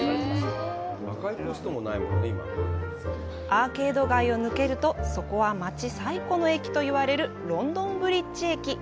アーケード街を抜けるとそこは街最古の駅と言われる「ロンドンブリッジ駅」。